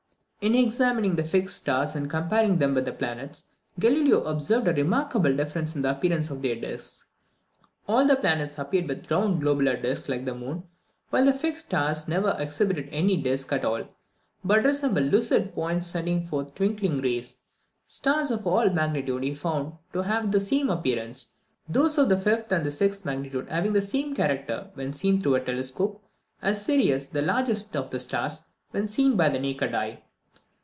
In examining the fixed stars, and comparing them with the planets, Galileo observed a remarkable difference in the appearance of their discs. All the planets appeared with round globular discs like the moon; whereas the fixed stars never exhibited any disc at all, but resembled lucid points sending forth twinkling rays. Stars of all magnitudes he found to have the same appearance; those of the fifth and sixth magnitude having the same character, when seen through a telescope, as Sirius, the largest of the stars, when seen by the naked eye.